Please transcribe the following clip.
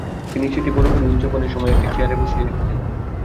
তিনি সেটি বড় করে, উদযাপনের সময়, একটি চেয়ারে বসিয়ে রেখেছিলেন।